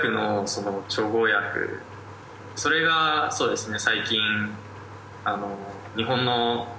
それがそうですね。